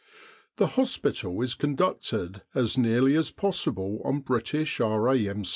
The hospital is conducted as nearly as possible on British R.A.M.